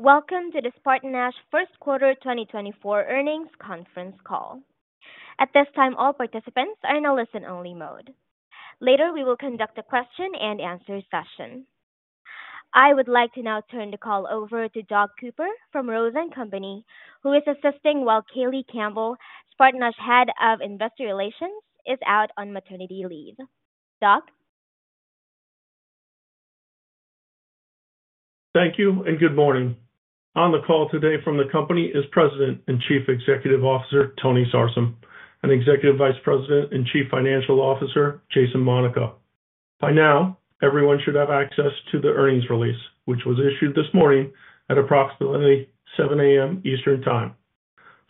Welcome to the SpartanNash First Quarter 2024 Earnings Conference Call. At this time, all participants are in a listen-only mode. Later, we will conduct a question-and-answer session. I would like to now turn the call over to Doug Cooper from Rose & Company, who is assisting while Kayleigh Campbell, SpartanNash's Head of Investor Relations, is out on maternity leave. Doug? Thank you, and good morning. On the call today from the company is President and Chief Executive Officer, Tony Sarsam, and Executive Vice President and Chief Financial Officer, Jason Monaco. By now, everyone should have access to the earnings release, which was issued this morning at approximately 7 A.M. Eastern Time.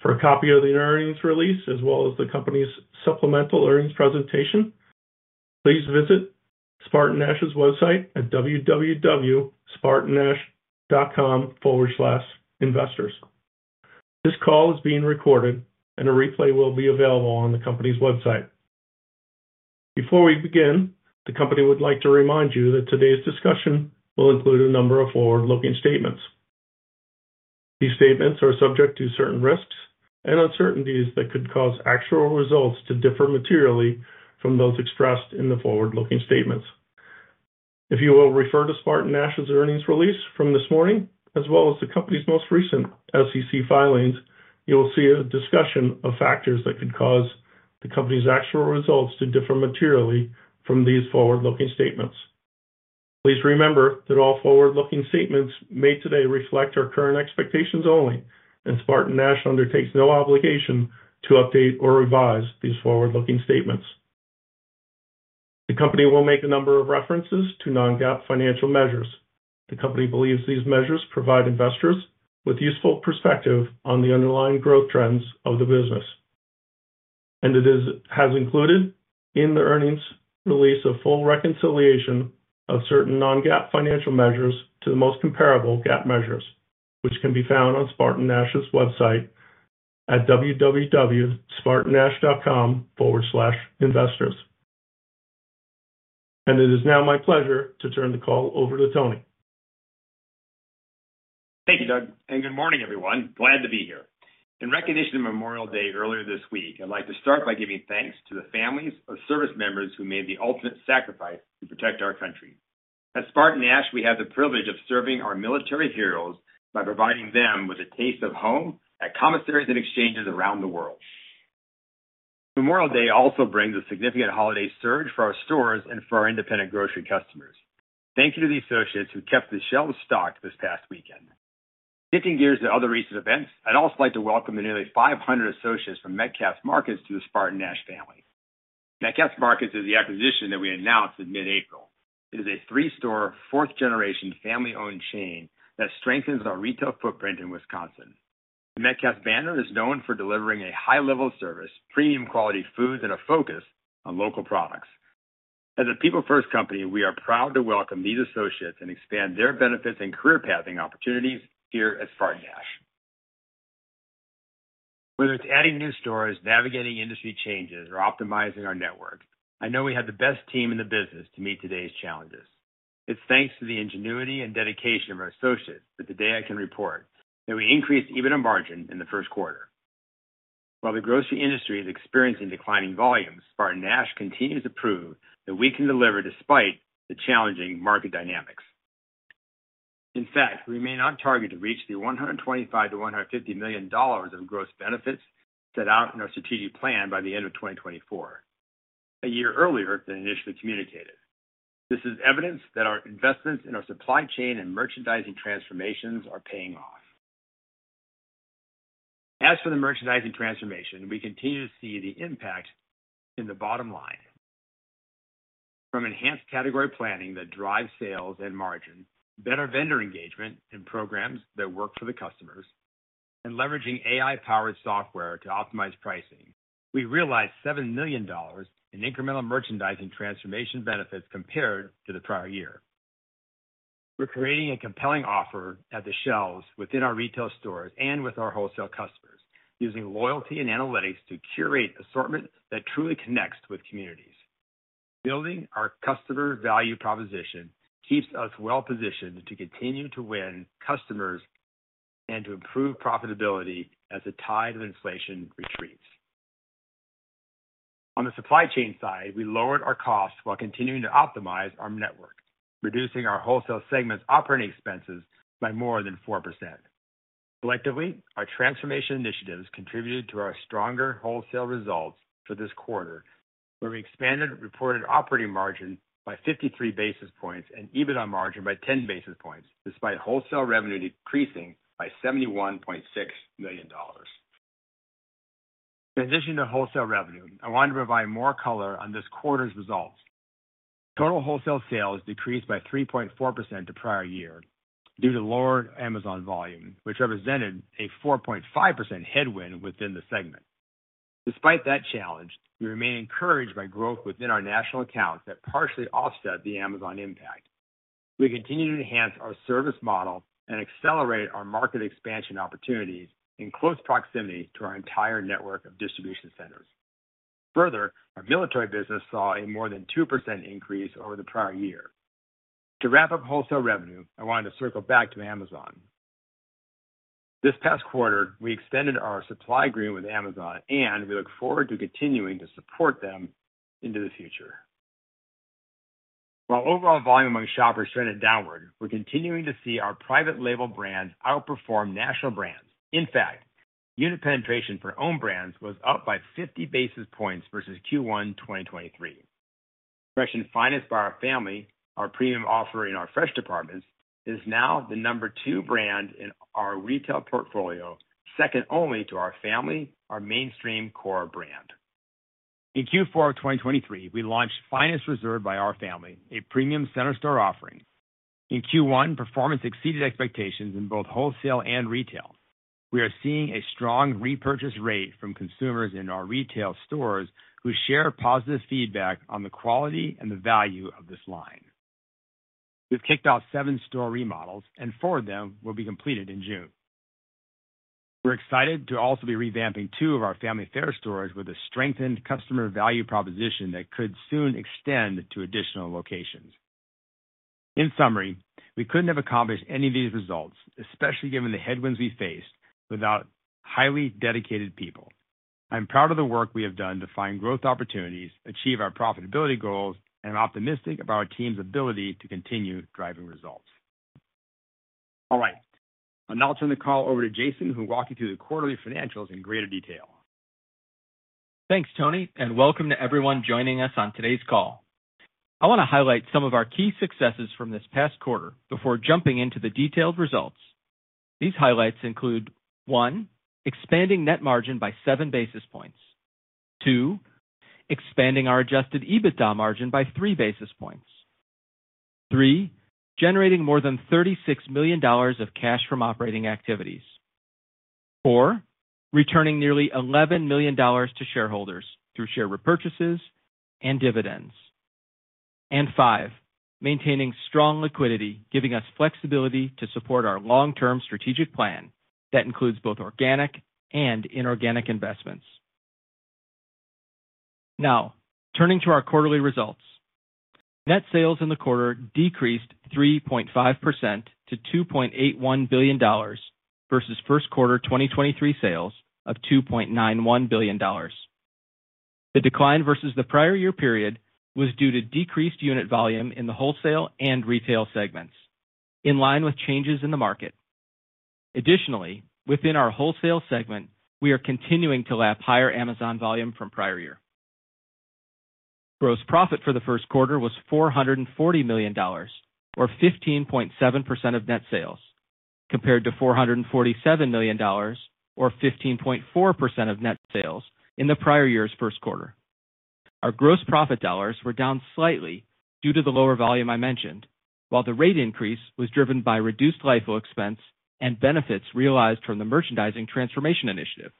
For a copy of the earnings release, as well as the company's supplemental earnings presentation, please visit SpartanNash's website at www.spartannash.com/investors. This call is being recorded, and a replay will be available on the company's website. Before we begin, the company would like to remind you that today's discussion will include a number of forward-looking statements. These statements are subject to certain risks and uncertainties that could cause actual results to differ materially from those expressed in the forward-looking statements. If you will refer to SpartanNash's earnings release from this morning, as well as the company's most recent SEC filings, you will see a discussion of factors that could cause the company's actual results to differ materially from these forward-looking statements. Please remember that all forward-looking statements made today reflect our current expectations only, and SpartanNash undertakes no obligation to update or revise these forward-looking statements. The company will make a number of references to non-GAAP financial measures. The company believes these measures provide investors with useful perspective on the underlying growth trends of the business. It has included in the earnings release a full reconciliation of certain non-GAAP financial measures to the most comparable GAAP measures, which can be found on SpartanNash's website at www.spartannash.com/investors. It is now my pleasure to turn the call over to Tony. Thank you, Doug, and good morning, everyone. Glad to be here. In recognition of Memorial Day earlier this week, I'd like to start by giving thanks to the families of service members who made the ultimate sacrifice to protect our country. At SpartanNash, we have the privilege of serving our military heroes by providing them with a taste of home at commissaries and exchanges around the world. Memorial Day also brings a significant holiday surge for our stores and for our independent grocery customers. Thank you to the associates who kept the shelves stocked this past weekend. Shifting gears to other recent events, I'd also like to welcome the nearly 500 associates from Metcalfe's Market to the SpartanNash family. Metcalfe's Market is the acquisition that we announced in mid-April. It is a 3-store, fourth-generation, family-owned chain that strengthens our retail footprint in Wisconsin. The Metcalfe's banner is known for delivering a high level of service, premium quality foods, and a focus on local products. As a people-first company, we are proud to welcome these associates and expand their benefits and career pathing opportunities here at SpartanNash. Whether it's adding new stores, navigating industry changes, or optimizing our network, I know we have the best team in the business to meet today's challenges. It's thanks to the ingenuity and dedication of our associates that today I can report that we increased EBITDA margin in the first quarter. While the grocery industry is experiencing declining volumes, SpartanNash continues to prove that we can deliver despite the challenging market dynamics. In fact, we remain on target to reach the $125 million-$150 million of gross benefits set out in our strategic plan by the end of 2024, a year earlier than initially communicated. This is evidence that our investments in our supply chain and merchandising transformations are paying off. As for the merchandising transformation, we continue to see the impact in the bottom line. From enhanced category planning that drives sales and margin, better vendor engagement and programs that work for the customers, and leveraging AI-powered software to optimize pricing, we realized $7 million in incremental merchandising transformation benefits compared to the prior year. We're creating a compelling offer at the shelves within our retail stores and with our wholesale customers, using loyalty and analytics to curate assortment that truly connects with communities. Building our customer value proposition keeps us well-positioned to continue to win customers and to improve profitability as the tide of inflation retreats. On the supply chain side, we lowered our costs while continuing to optimize our network, reducing our wholesale segment's operating expenses by more than 4%. Collectively, our transformation initiatives contributed to our stronger wholesale results for this quarter, where we expanded reported operating margin by 53 basis points and EBITDA margin by 10 basis points, despite wholesale revenue decreasing by $71.6 million. In addition to wholesale revenue, I want to provide more color on this quarter's results. Total wholesale sales decreased by 3.4% to prior year due to lower Amazon volume, which represented a 4.5% headwind within the segment. Despite that challenge, we remain encouraged by growth within our national accounts that partially offset the Amazon impact. We continue to enhance our service model and accelerate our market expansion opportunities in close proximity to our entire network of distribution centers. Further, our military business saw a more than 2% increase over the prior year. To wrap up wholesale revenue, I wanted to circle back to Amazon. This past quarter, we extended our supply agreement with Amazon, and we look forward to continuing to support them into the future. While overall volume among shoppers trended downward, we're continuing to see our private label brands outperform national brands. In fact, unit penetration for own brands was up by 50 basis points versus Q1 2023. Fresh & Finest by Our Family, our premium offering in our fresh departments, is now the number two brand in our retail portfolio, second only to Our Family, our mainstream core brand. In Q4 of 2023, we launched Finest Reserve by Our Family, a premium center store offering. In Q1, performance exceeded expectations in both wholesale and retail. We are seeing a strong repurchase rate from consumers in our retail stores, who share positive feedback on the quality and the value of this line. We've kicked off seven store remodels, and four of them will be completed in June. We're excited to also be revamping two of our Family Fare stores with a strengthened customer value proposition that could soon extend to additional locations. In summary, we couldn't have accomplished any of these results, especially given the headwinds we faced, without highly dedicated people. I'm proud of the work we have done to find growth opportunities, achieve our profitability goals, and I'm optimistic about our team's ability to continue driving results. All right, I'll now turn the call over to Jason, who'll walk you through the quarterly financials in greater detail. Thanks, Tony, and welcome to everyone joining us on today's call. I want to highlight some of our key successes from this past quarter before jumping into the detailed results. These highlights include, 1, expanding net margin by 7 basis points. 2, expanding our adjusted EBITDA margin by 3 basis points. 3, generating more than $36 million of cash from operating activities. 4, returning nearly $11 million to shareholders through share repurchases and dividends. 5, maintaining strong liquidity, giving us flexibility to support our long-term strategic plan that includes both organic and inorganic investments. Now, turning to our quarterly results. Net sales in the quarter decreased 3.5% to $2.81 billion versus first quarter 2023 sales of $2.91 billion. The decline versus the prior year period was due to decreased unit volume in the wholesale and retail segments, in line with changes in the market. Additionally, within our wholesale segment, we are continuing to lap higher Amazon volume from prior year. Gross profit for the first quarter was $440 million, or 15.7% of net sales, compared to $447 million, or 15.4% of net sales, in the prior year's first quarter. Our gross profit dollars were down slightly due to the lower volume I mentioned, while the rate increase was driven by reduced LIFO expense and benefits realized from the merchandising transformation initiative.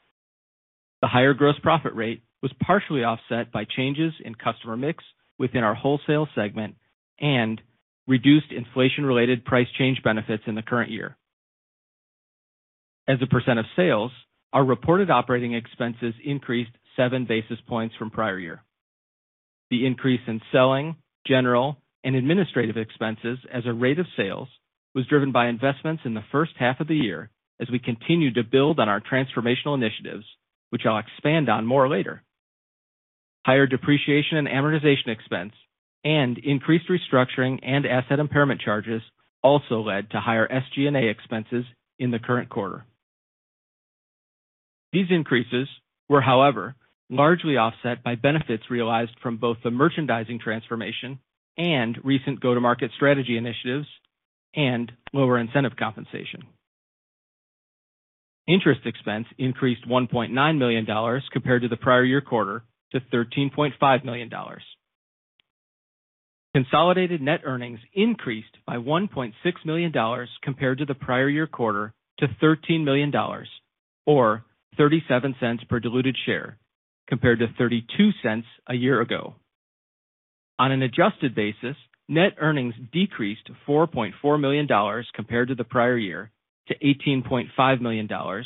The higher gross profit rate was partially offset by changes in customer mix within our wholesale segment and reduced inflation-related price change benefits in the current year. As a percent of sales, our reported operating expenses increased seven basis points from prior year. The increase in selling, general, and administrative expenses as a rate of sales was driven by investments in the first half of the year as we continued to build on our transformational initiatives, which I'll expand on more later. Higher depreciation and amortization expense and increased restructuring and asset impairment charges also led to higher SG&A expenses in the current quarter. These increases were, however, largely offset by benefits realized from both the merchandising transformation and recent go-to-market strategy initiatives and lower incentive compensation. Interest expense increased $1.9 million compared to the prior year quarter to $13.5 million. Consolidated net earnings increased by $1.6 million compared to the prior year quarter to $13 million, or $0.37 per diluted share, compared to $0.32 a year ago. On an adjusted basis, net earnings decreased to $4.4 million compared to the prior year, to $18.5 million, or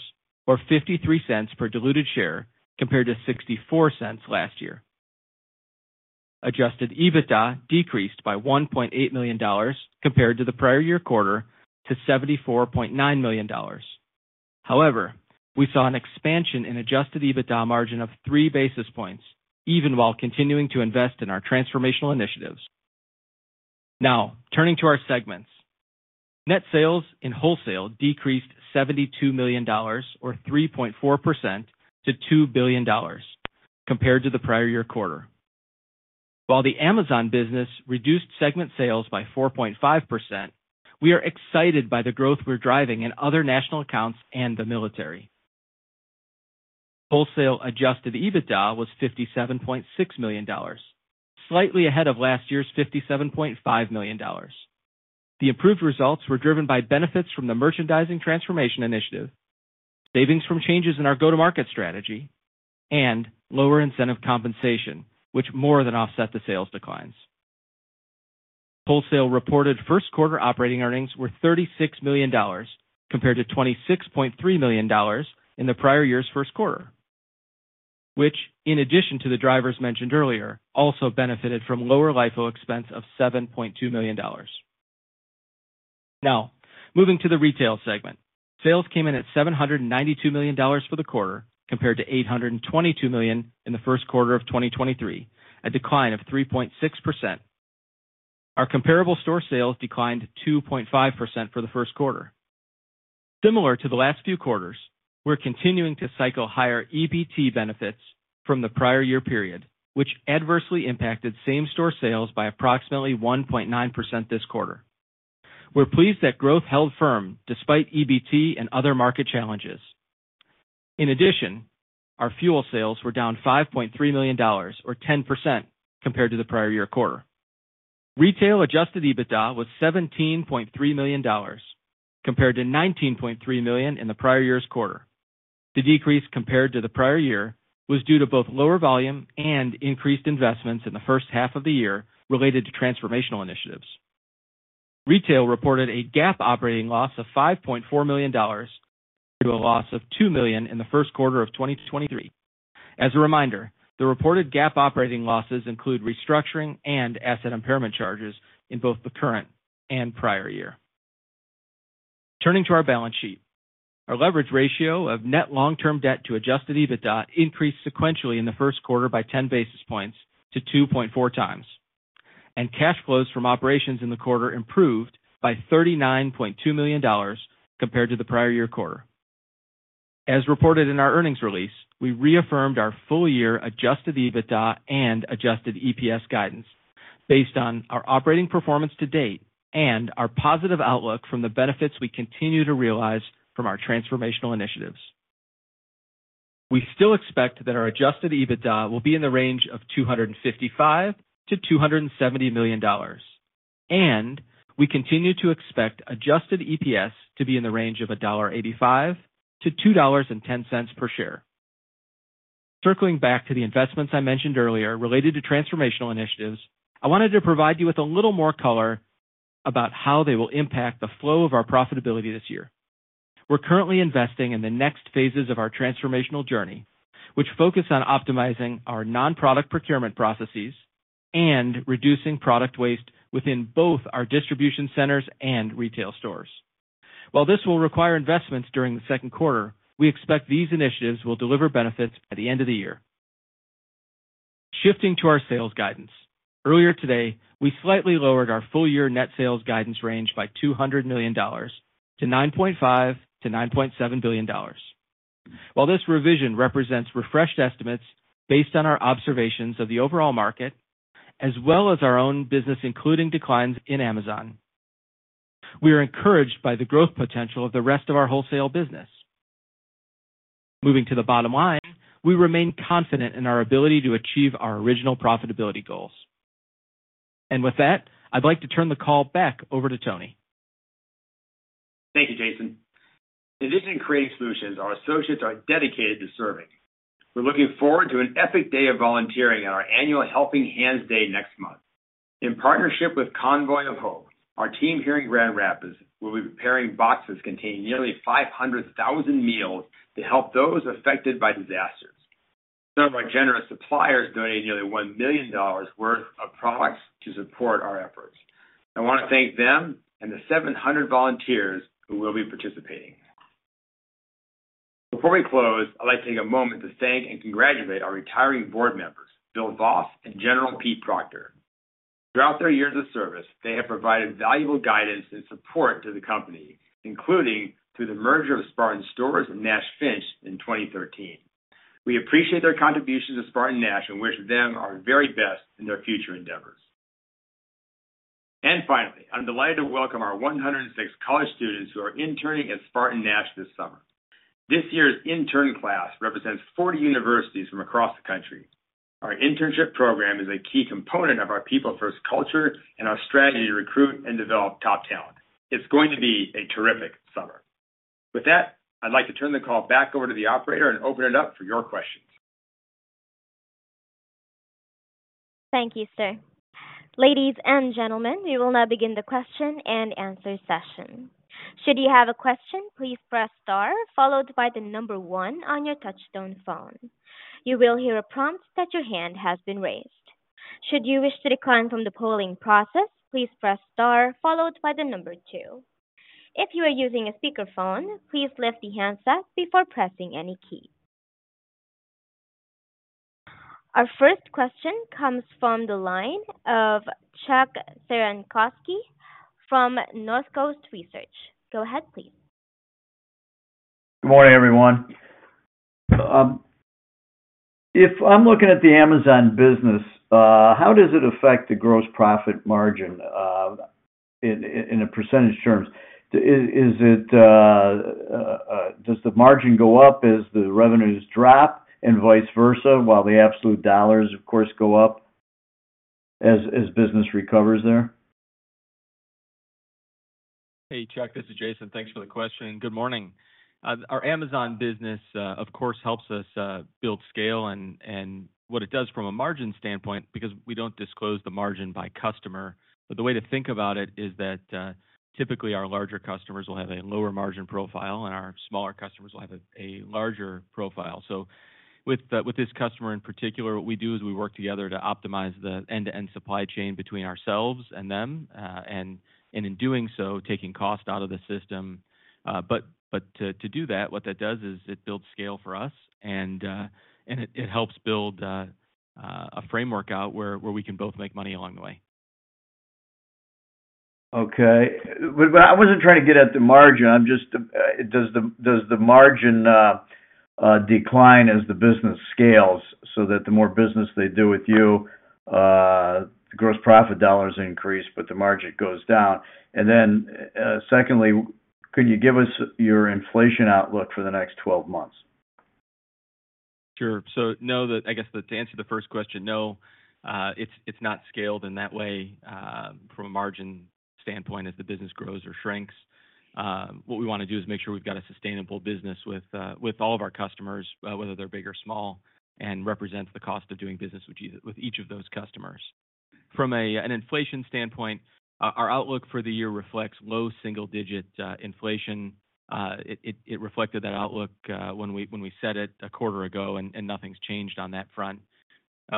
$0.53 per diluted share, compared to $0.64 last year. Adjusted EBITDA decreased by $1.8 million compared to the prior year quarter to $74.9 million. However, we saw an expansion in adjusted EBITDA margin of 3 basis points, even while continuing to invest in our transformational initiatives. Now, turning to our segments. Net sales in wholesale decreased $72 million or 3.4% to $2 billion compared to the prior year quarter. While the Amazon business reduced segment sales by 4.5%, we are excited by the growth we're driving in other national accounts and the military. Wholesale Adjusted EBITDA was $57.6 million, slightly ahead of last year's $57.5 million. The improved results were driven by benefits from the merchandising transformation initiative, savings from changes in our go-to-market strategy, and lower incentive compensation, which more than offset the sales declines. Wholesale reported first quarter operating earnings were $36 million, compared to $26.3 million in the prior year's first quarter, which, in addition to the drivers mentioned earlier, also benefited from lower LIFO expense of $7.2 million. Now, moving to the retail segment. Sales came in at $792 million for the quarter, compared to $822 million in the first quarter of 2023, a decline of 3.6%. Our comparable store sales declined 2.5% for the first quarter. Similar to the last few quarters, we're continuing to cycle higher EBT benefits from the prior year period, which adversely impacted same-store sales by approximately 1.9% this quarter. We're pleased that growth held firm despite EBT and other market challenges. In addition, our fuel sales were down $5.3 million, or 10% compared to the prior year quarter. Retail Adjusted EBITDA was $17.3 million, compared to $19.3 million in the prior year's quarter. The decrease compared to the prior year was due to both lower volume and increased investments in the first half of the year related to transformational initiatives. Retail reported a GAAP operating loss of $5.4 million to a loss of $2 million in the first quarter of 2023. As a reminder, the reported GAAP operating losses include restructuring and asset impairment charges in both the current and prior year. Turning to our balance sheet. Our leverage ratio of net long-term debt to adjusted EBITDA increased sequentially in the first quarter by 10 basis points to 2.4 times, and cash flows from operations in the quarter improved by $39.2 million compared to the prior year quarter. As reported in our earnings release, we reaffirmed our full-year adjusted EBITDA and adjusted EPS guidance based on our operating performance to date and our positive outlook from the benefits we continue to realize from our transformational initiatives. We still expect that our adjusted EBITDA will be in the range of $255 million-$270 million, and we continue to expect adjusted EPS to be in the range of $1.85-$2.10 per share. Circling back to the investments I mentioned earlier related to transformational initiatives, I wanted to provide you with a little more color about how they will impact the flow of our profitability this year. We're currently investing in the next phases of our transformational journey, which focus on optimizing our non-product procurement processes and reducing product waste within both our distribution centers and retail stores. While this will require investments during the second quarter, we expect these initiatives will deliver benefits by the end of the year. Shifting to our sales guidance. Earlier today, we slightly lowered our full-year net sales guidance range by $200 million to $9.5 billion-$9.7 billion. While this revision represents refreshed estimates based on our observations of the overall market, as well as our own business, including declines in Amazon, we are encouraged by the growth potential of the rest of our wholesale business. Moving to the bottom line, we remain confident in our ability to achieve our original profitability goals. With that, I'd like to turn the call back over to Tony. Thank you, Jason. In addition to creating solutions, our associates are dedicated to serving. We're looking forward to an epic day of volunteering on our annual Helping Hands Day next month. In partnership with Convoy of Hope, our team here in Grand Rapids will be preparing boxes containing nearly 500,000 meals to help those affected by disasters. Some of our generous suppliers donated nearly $1 million worth of products to support our efforts. I want to thank them and the 700 volunteers who will be participating. Before we close, I'd like to take a moment to thank and congratulate our retiring board members, Bill Voss and General Peet Proctor. Throughout their years of service, they have provided valuable guidance and support to the company, including through the merger of Spartan Stores and Nash Finch in 2013. We appreciate their contributions to SpartanNash and wish them our very best in their future endeavors. Finally, I'm delighted to welcome our 106 college students who are interning at SpartanNash this summer. This year's intern class represents 40 universities from across the country. Our internship program is a key component of our people-first culture and our strategy to recruit and develop top talent. It's going to be a terrific summer. With that, I'd like to turn the call back over to the operator and open it up for your questions. Thank you, sir. Ladies and gentlemen, we will now begin the question-and-answer session. Should you have a question, please press star followed by the number one on your touchtone phone. You will hear a prompt that your hand has been raised. Should you wish to decline from the polling process, please press star followed by the number two. If you are using a speakerphone, please lift the handset before pressing any key. Our first question comes from the line of Chuck Cerankosky from Northcoast Research. Go ahead, please. Good morning, everyone. If I'm looking at the Amazon business, how does it affect the gross profit margin in percentage terms? Does the margin go up as the revenues drop and vice versa, while the absolute dollars, of course, go up as business recovers there? ... Hey, Chuck, this is Jason. Thanks for the question, and good morning. Our Amazon business, of course, helps us build scale and what it does from a margin standpoint, because we don't disclose the margin by customer, but the way to think about it is that, typically our larger customers will have a lower margin profile, and our smaller customers will have a larger profile. So with this customer in particular, what we do is we work together to optimize the end-to-end supply chain between ourselves and them, and in doing so, taking cost out of the system. But to do that, what that does is it builds scale for us, and it helps build a framework out where we can both make money along the way. Okay. But I wasn't trying to get at the margin. I'm just... does the margin decline as the business scales, so that the more business they do with you, the gross profit dollars increase, but the margin goes down? And then, secondly, could you give us your inflation outlook for the next 12 months? Sure. So know that—I guess to answer the first question, no, it's not scaled in that way from a margin standpoint, as the business grows or shrinks. What we wanna do is make sure we've got a sustainable business with, with all of our customers, whether they're big or small, and represents the cost of doing business with each, with each of those customers. From an inflation standpoint, our outlook for the year reflects low single-digit inflation. It reflected that outlook when we said it a quarter ago, and nothing's changed on that front.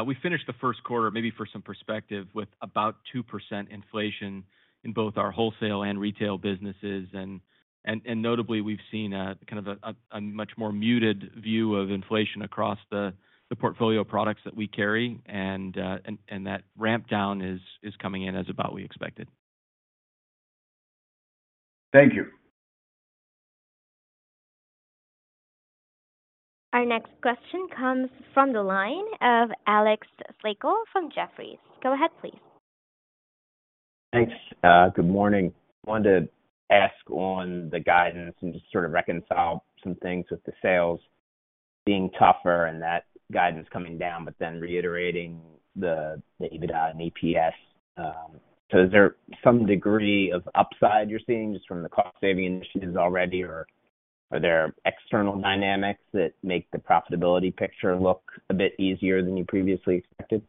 We finished the first quarter, maybe for some perspective, with about 2% inflation in both our wholesale and retail businesses, and notably, we've seen a kind of a much more muted view of inflation across the portfolio of products that we carry, and that ramp down is coming in as about we expected. Thank you. Our next question comes from the line of Alex Slagle from Jefferies. Go ahead, please. Thanks. Good morning. Wanted to ask on the guidance and just sort of reconcile some things with the sales being tougher and that guidance coming down, but then reiterating the EBITDA and EPS. So, is there some degree of upside you're seeing just from the cost-saving initiatives already, or are there external dynamics that make the profitability picture look a bit easier than you previously expected?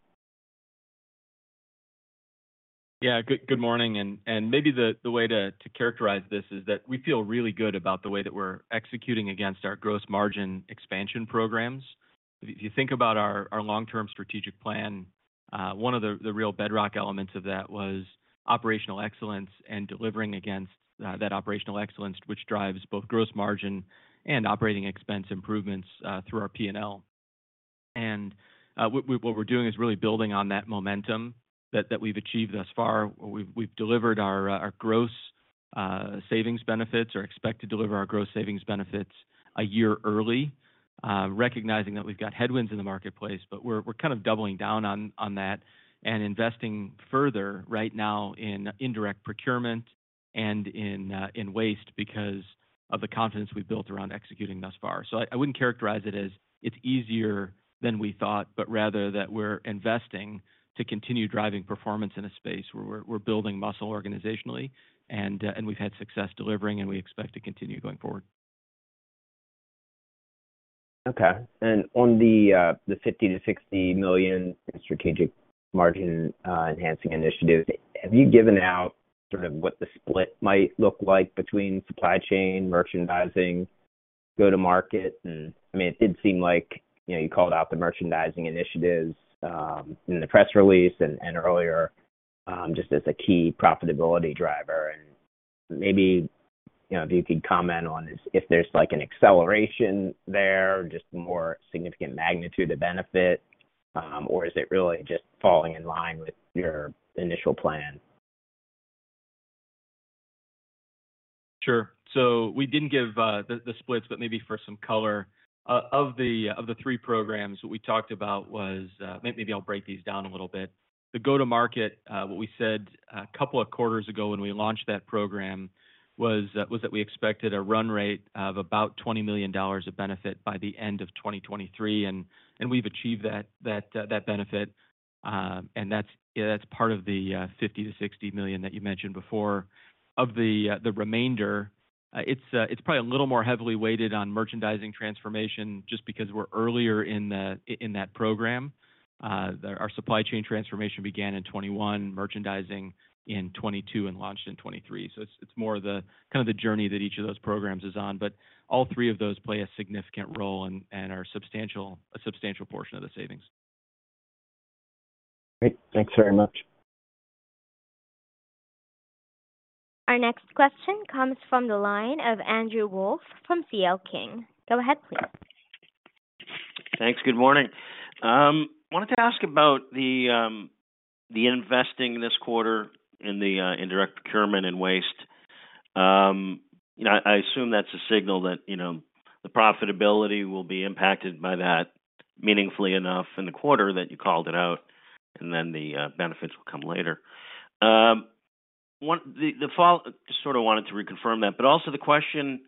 Yeah, good morning. Maybe the way to characterize this is that we feel really good about the way that we're executing against our gross margin expansion programs. If you think about our long-term strategic plan, one of the real bedrock elements of that was operational excellence and delivering against that operational excellence, which drives both gross margin and operating expense improvements through our P&L. What we're doing is really building on that momentum that we've achieved thus far. We've delivered our gross savings benefits or expect to deliver our gross savings benefits a year early, recognizing that we've got headwinds in the marketplace. But we're kind of doubling down on that and investing further right now in indirect procurement and in waste because of the confidence we've built around executing thus far. So I wouldn't characterize it as it's easier than we thought, but rather that we're investing to continue driving performance in a space where we're building muscle organizationally, and we've had success delivering, and we expect to continue going forward. Okay. And on the, the $50 million-$60 million in strategic margin enhancing initiatives, have you given out sort of what the split might look like between supply chain, merchandising, go-to-market? And, I mean, it did seem like, you know, you called out the merchandising initiatives in the press release and, and earlier just as a key profitability driver. And maybe, you know, if you could comment on this, if there's, like, an acceleration there or just more significant magnitude of benefit, or is it really just falling in line with your initial plan? Sure. So we didn't give the splits, but maybe for some color of the three programs, what we talked about was... Maybe I'll break these down a little bit. The go-to-market, what we said a couple of quarters ago when we launched that program was that we expected a run rate of about $20 million of benefit by the end of 2023, and we've achieved that benefit. And that's, yeah, that's part of the $50 million-$60 million that you mentioned before. Of the remainder, it's probably a little more heavily weighted on merchandising transformation, just because we're earlier in that program. Our supply chain transformation began in 2021, merchandising in 2022, and launched in 2023. It's more the kind of journey that each of those programs is on, but all three of those play a significant role and are a substantial portion of the savings. Great. Thanks very much. Our next question comes from the line of Andrew Wolf, from CL King. Go ahead, please. Thanks. Good morning. Wanted to ask about the investing this quarter in the indirect procurement and waste. You know, I assume that's a signal that, you know, the profitability will be impacted by that meaningfully enough in the quarter that you called it out, and then the benefits will come later. Just sort of wanted to reconfirm that, but also the question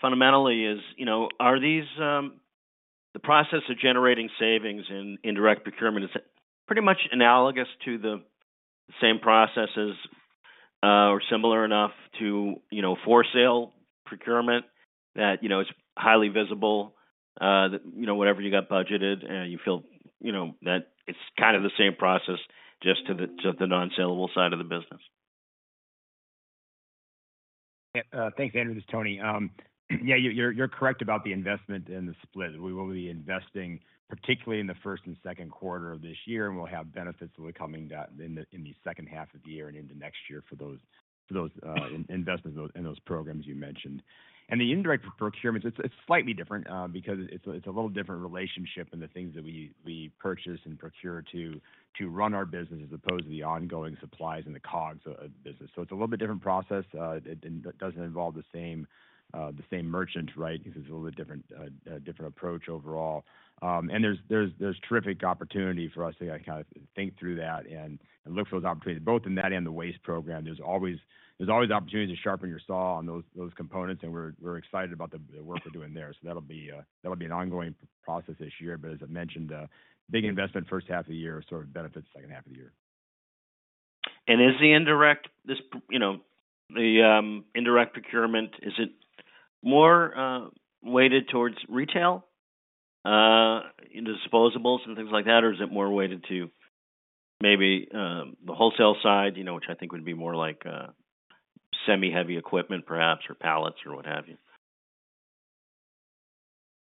fundamentally is, you know, are these the process of generating savings in direct procurement is pretty much analogous to the same processes or similar enough to, you know, for sale procurement, that, you know, it's highly visible. That, you know, whatever you got budgeted, and you feel, you know, that it's kind of the same process, just to the non-saleable side of the business. Yeah, thanks, Andrew. This is Tony. Yeah, you're correct about the investment and the split. We will be investing, particularly in the first and second quarter of this year, and we'll have benefits coming in the second half of the year and into next year for those investments in those programs you mentioned. And the indirect procurements, it's slightly different, because it's a little different relationship and the things that we purchase and procure to run our business, as opposed to the ongoing supplies and the cogs of business. So it's a little bit different process. It doesn't involve the same merchant, right? Because it's a little bit different, a different approach overall. And there's terrific opportunity for us to, like, kind of think through that and look for those opportunities, both in that and the waste program. There's always opportunity to sharpen your saw on those components, and we're excited about the work we're doing there. So that'll be an ongoing process this year, but as I mentioned, a big investment first half of the year, sort of benefits the second half of the year. Is the indirect procurement more weighted towards retail into disposables and things like that? Or is it more weighted to maybe the wholesale side, you know, which I think would be more like semi-heavy equipment perhaps, or pallets or what have you?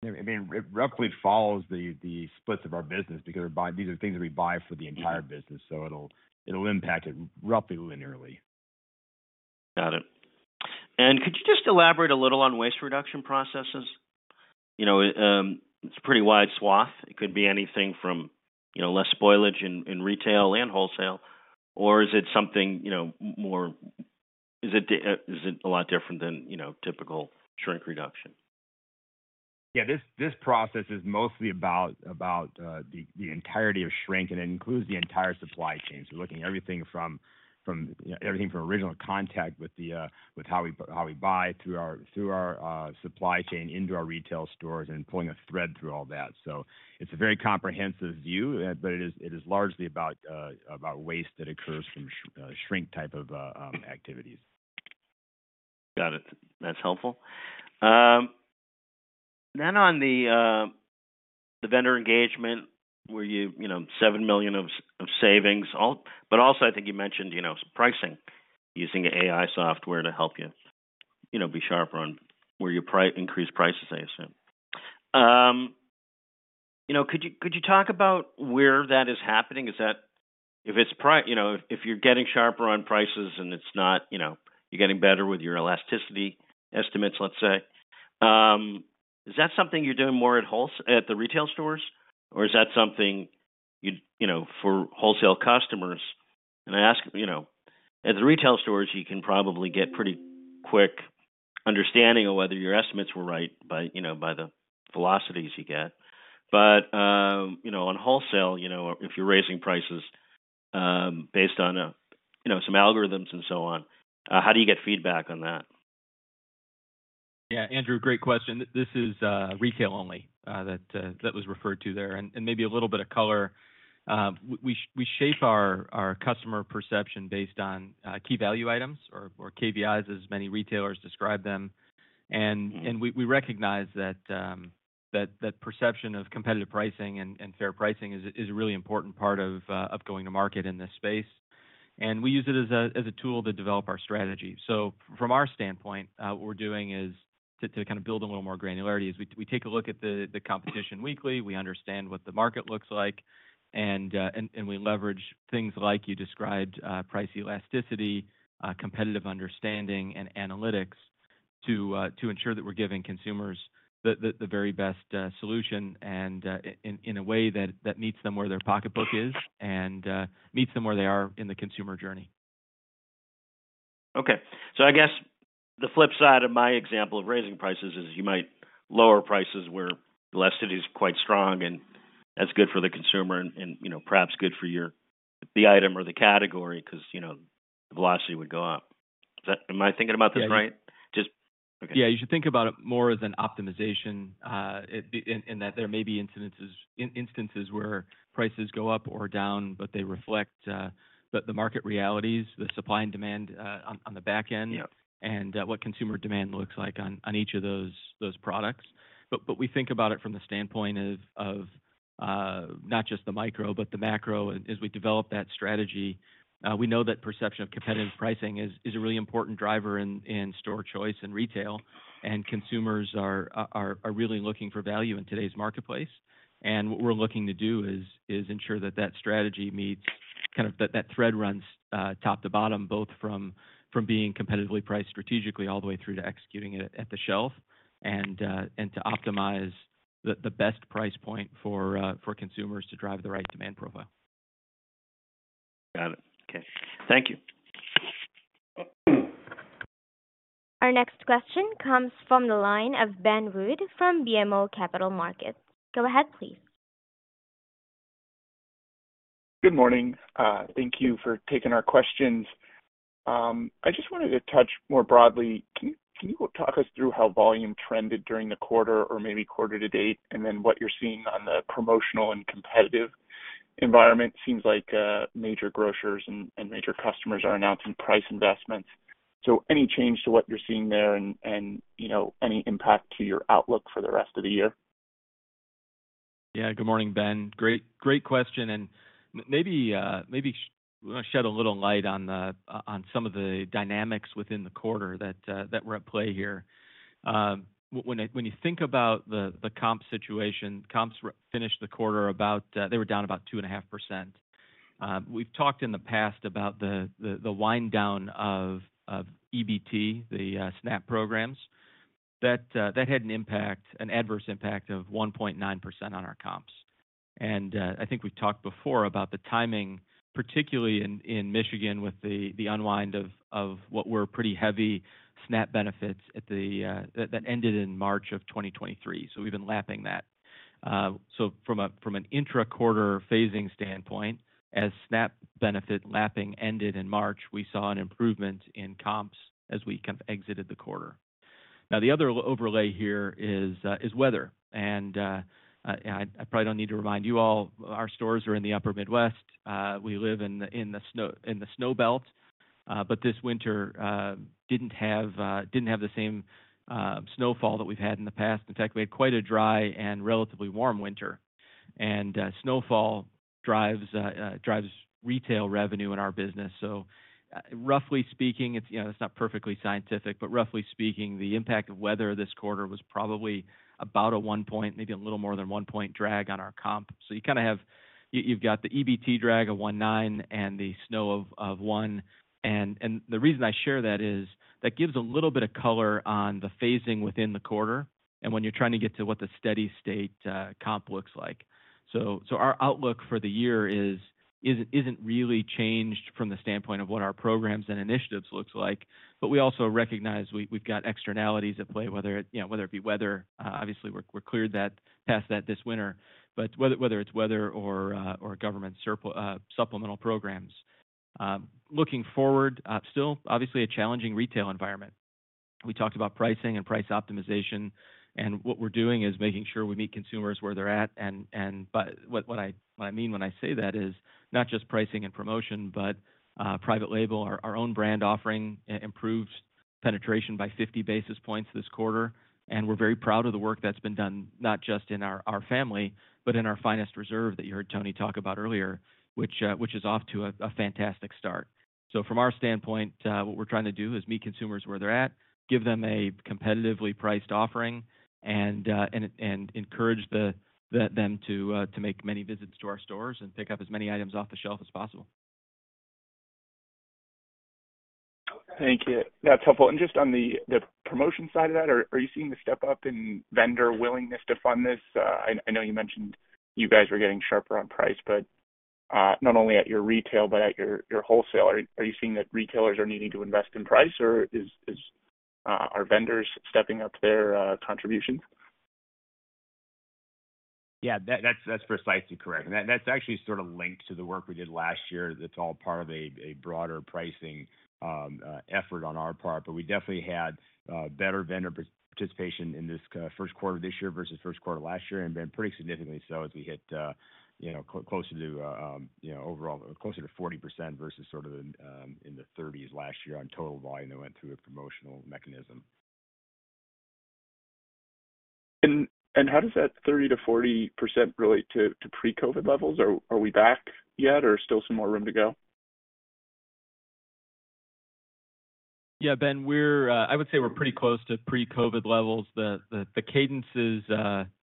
I mean, it roughly follows the splits of our business because these are things that we buy for the entire business, so it'll impact it roughly linearly. Got it. Could you just elaborate a little on waste reduction processes? You know, it's a pretty wide swath. It could be anything from, you know, less spoilage in retail and wholesale, or is it something, you know, more? Is it a lot different than, you know, typical shrink reduction? Yeah, this process is mostly about the entirety of shrink, and it includes the entire supply chain. So looking at everything from original contact with how we buy through our supply chain into our retail stores and pulling a thread through all that. So it's a very comprehensive view, but it is largely about waste that occurs from shrink type of activities. Got it. That's helpful. On the vendor engagement, where you know $7 million of savings, but also, I think you mentioned, you know, pricing using AI software to help you, you know, be sharper on where you increase prices, I assume. You know, could you, could you talk about where that is happening? Is that... If it's you know, if you're getting sharper on prices and it's not, you know, you're getting better with your elasticity estimates, let's say, is that something you're doing more at wholesale at the retail stores? Or is that something you, you know, for wholesale customers? I ask, you know, at the retail stores, you can probably get pretty quick understanding of whether your estimates were right by, you know, by the velocities you get. But, you know, on wholesale, you know, if you're raising prices, based on, you know, some algorithms and so on, how do you get feedback on that? Yeah, Andrew, great question. This is retail only, that that was referred to there, and maybe a little bit of color. We shape our customer perception based on key value items, or KVIs, as many retailers describe them. And we recognize that that perception of competitive pricing and fair pricing is a really important part of going to market in this space, and we use it as a tool to develop our strategy. So from our standpoint, what we're doing is to kind of build a little more granularity, is we take a look at the competition weekly, we understand what the market looks like, and we leverage things like you described, price elasticity, competitive understanding and analytics to ensure that we're giving consumers the very best solution, and in a way that meets them where their pocketbook is and meets them where they are in the consumer journey. Okay. So I guess the flip side of my example of raising prices is you might lower prices where elasticity is quite strong, and that's good for the consumer and, you know, perhaps good for your, the item or the category because, you know, the velocity would go up. Is that, am I thinking about this right? Yeah. Just... Okay. Yeah, you should think about it more as an optimization, and that there may be instances where prices go up or down, but they reflect the market realities, the supply and demand on the back end- Yeah ... And what consumer demand looks like on each of those products. But we think about it from the standpoint of not just the micro but the macro. As we develop that strategy, we know that perception of competitive pricing is a really important driver in store choice and retail, and consumers are really looking for value in today's marketplace. And what we're looking to do is ensure that that strategy meets, kind of, that thread runs top to bottom, both from being competitively priced strategically all the way through to executing it at the shelf, and to optimize the best price point for consumers to drive the right demand profile. Got it. Okay. Thank you. Our next question comes from the line of Ben Wood, from BMO Capital Markets. Go ahead, please. Good morning. Thank you for taking our questions. I just wanted to touch more broadly, can you talk us through how volume trended during the quarter or maybe quarter to date, and then what you're seeing on the promotional and competitive environment? Seems like major grocers and major customers are announcing price investments. So any change to what you're seeing there and you know any impact to your outlook for the rest of the year? Yeah. Good morning, Ben. Great, great question. And maybe shed a little light on some of the dynamics within the quarter that were at play here. When you think about the comp situation, comps finished the quarter about, they were down about 2.5%. We've talked in the past about the wind down of EBT, the SNAP programs. That had an impact, an adverse impact of 1.9% on our comps. And I think we've talked before about the timing, particularly in Michigan, with the unwind of what were pretty heavy SNAP benefits at the that ended in March 2023. So we've been lapping that. So from an intra-quarter phasing standpoint, as SNAP benefit lapping ended in March, we saw an improvement in comps as we kind of exited the quarter. Now, the other overlay here is weather, and I probably don't need to remind you all, our stores are in the upper Midwest. We live in the snow, in the snow belt, but this winter didn't have, didn't have the same snowfall that we've had in the past. In fact, we had quite a dry and relatively warm winter. And snowfall drives, drives retail revenue in our business. So roughly speaking, it's, you know, it's not perfectly scientific, but roughly speaking, the impact of weather this quarter was probably about a one point, maybe a little more than one point, drag on our comp. So you kind of have. You've got the EBT drag of 1.9 and the snow of 1. And the reason I share that is that gives a little bit of color on the phasing within the quarter and when you're trying to get to what the steady state comp looks like. So our outlook for the year isn't really changed from the standpoint of what our programs and initiatives looks like. But we also recognize we've got externalities at play, whether it, you know, whether it be weather. Obviously, we're clear that past that this winter, but whether it's weather or government supplemental programs. Looking forward, still obviously a challenging retail environment. We talked about pricing and price optimization, and what we're doing is making sure we meet consumers where they're at. But what I mean when I say that is not just pricing and promotion, but private label. Our own brand offering improved penetration by 50 basis points this quarter, and we're very proud of the work that's been done, not just in Our Family, but in Finest Reserve that you heard Tony talk about earlier, which is off to a fantastic start. So from our standpoint, what we're trying to do is meet consumers where they're at, give them a competitively priced offering, and encourage them to make many visits to our stores and pick up as many items off the shelf as possible. Thank you. That's helpful. And just on the promotion side of that, are you seeing the step up in vendor willingness to fund this? I know you mentioned you guys were getting sharper on price, but not only at your retail, but at your wholesale. Are you seeing that retailers are needing to invest in price or is... Are vendors stepping up their contributions? Yeah, that's precisely correct. And that's actually sort of linked to the work we did last year. That's all part of a broader pricing effort on our part, but we definitely had better vendor participation in this first quarter this year versus first quarter last year, and been pretty significantly so as we hit you know closer to you know overall closer to 40% versus sort of in the thirties last year on total volume that went through a promotional mechanism. How does that 30%-40% relate to pre-COVID levels? Are we back yet or still some more room to go? Yeah, Ben, we're, I would say we're pretty close to pre-COVID levels. The cadences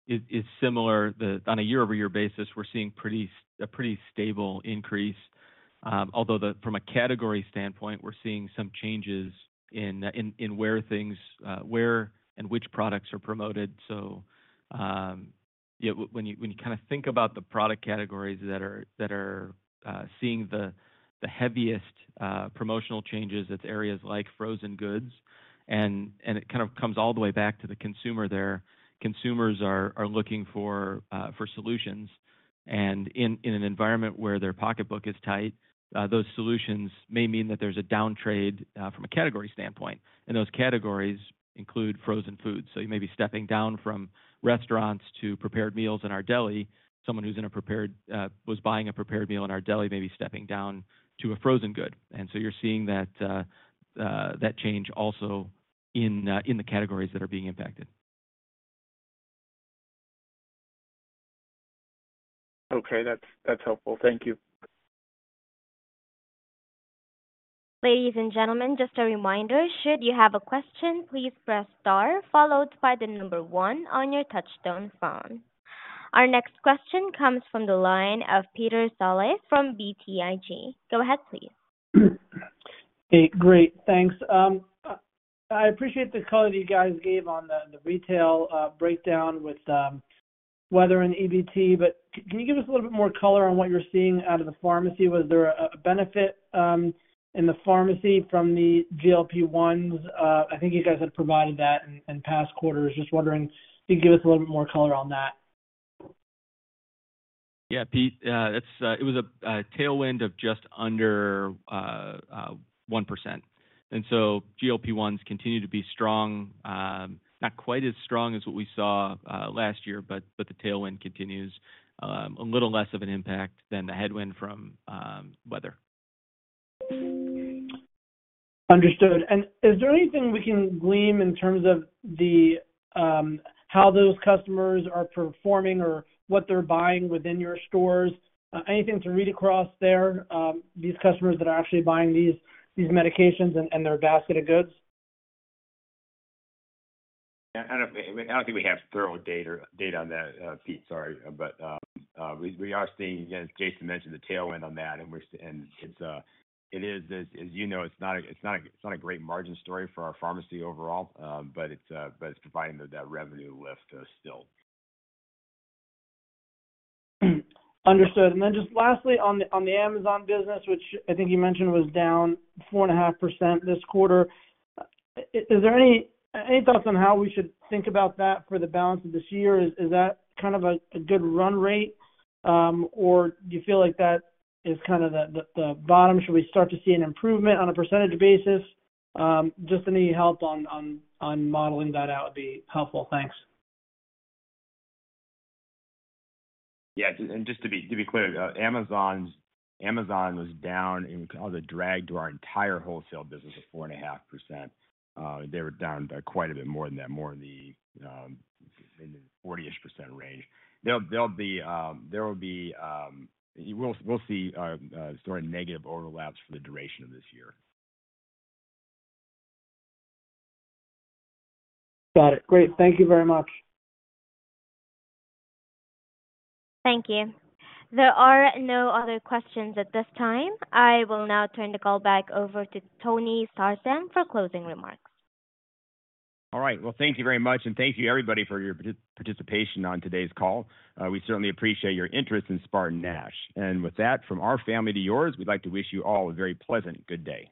is similar. On a year-over-year basis, we're seeing a pretty stable increase. Although from a category standpoint, we're seeing some changes in where things, where and which products are promoted. So, yeah, when you kind of think about the product categories that are seeing the heaviest promotional changes, it's areas like frozen goods, and it kind of comes all the way back to the consumer there. Consumers are looking for solutions, and in an environment where their pocketbook is tight, those solutions may mean that there's a downtrade from a category standpoint, and those categories include frozen foods. So you may be stepping down from restaurants to prepared meals in our deli. Someone who was buying a prepared meal in our deli may be stepping down to a frozen good. And so you're seeing that change also in the categories that are being impacted. Okay, that's, that's helpful. Thank you. Ladies and gentlemen, just a reminder, should you have a question, please press star followed by the number one on your touchtone phone. Our next question comes from the line of Peter Saleh from BTIG. Go ahead, please. Hey, great, thanks. I appreciate the color you guys gave on the retail breakdown with weather and EBT, but can you give us a little bit more color on what you're seeing out of the pharmacy? Was there a benefit in the pharmacy from the GLP-1s? I think you guys had provided that in past quarters. Just wondering if you could give us a little bit more color on that.... Yeah, Pete, it was a tailwind of just under 1%. And so GLP-1s continue to be strong, not quite as strong as what we saw last year, but the tailwind continues, a little less of an impact than the headwind from weather. Understood. Is there anything we can glean in terms of the how those customers are performing or what they're buying within your stores? Anything to read across there, these customers that are actually buying these, these medications and, and their basket of goods? Yeah, I don't think we have thorough data on that, Pete, sorry. But we are seeing, again, as Jason mentioned, the tailwind on that, and it's, as you know, it's not a great margin story for our pharmacy overall, but it's providing that revenue lift, still. Understood. And then just lastly, on the Amazon business, which I think you mentioned was down 4.5% this quarter, is there any thoughts on how we should think about that for the balance of this year? Is that kind of a good run rate, or do you feel like that is kind of the bottom? Should we start to see an improvement on a percentage basis? Just any help on modeling that out would be helpful. Thanks. Yeah, and just to be clear, Amazon was down and caused a drag to our entire wholesale business of 4.5%. They were down by quite a bit more than that, more in the 40-ish% range. There'll be we'll see sort of negative overlaps for the duration of this year. Got it. Great. Thank you very much. Thank you. There are no other questions at this time. I will now turn the call back over to Tony Sarsam for closing remarks. All right, well, thank you very much, and thank you everybody for your participation on today's call. We certainly appreciate your interest in SpartanNash. And with that, from our family to yours, we'd like to wish you all a very pleasant good day.